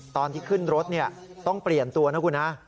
ตอนที่ขึ้นรถต้องเปลี่ยนตัวนะคุณฮะ